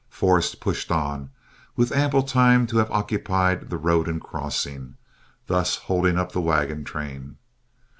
Forrest pushed on, with ample time to have occupied the road in crossing, thus holding up the wagon train.